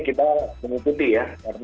karena kebetulan standarikasi masker ini